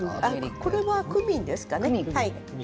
これはクミンですかね。